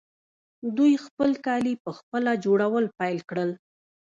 دوی خپل کالي پخپله جوړول پیل کړل.